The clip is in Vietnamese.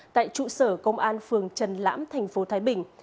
tại trụ sở công an phường trần lãm thành phố thái bình